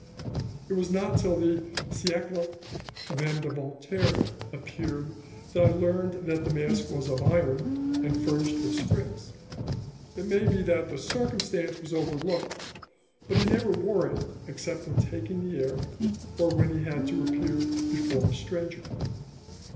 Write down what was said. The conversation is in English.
It was not till the 'Siecle' of M. de Voltaire appeared that I learned that the mask was of iron and furnished with springs; it may be that the circumstance was overlooked, but he never wore it except when taking the air, or when he had to appear before a stranger.